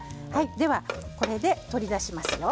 ではこれで取り出しますよ。